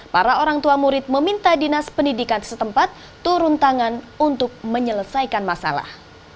para orang tua murid meminta dinas pendidikan setempat turun tangan untuk menyelesaikan masalah